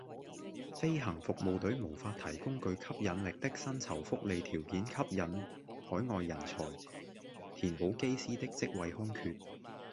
飛行服務隊無法提供具吸引力的薪酬福利條件吸引海外人才，填補機師的職位空缺